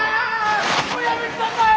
おやめください！